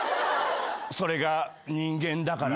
それが人間だから。